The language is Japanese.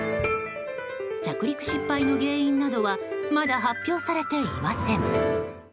着陸失敗の原因などはまだ発表されていません。